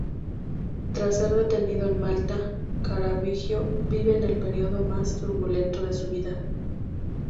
Tras ser detenido en Malta, Caravaggio vive el período más turbulento de su vida.